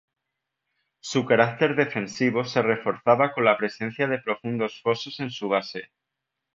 Su carácter defensivo se reforzaba con la presencia de profundos fosos en su base.